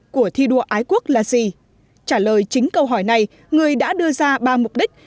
của thi đua ái quốc là gì trả lời chính câu hỏi này người đã đưa ra ba mục đích